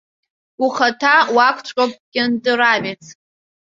Ухаҭа уакәҵәҟьоуп кьынтыравец!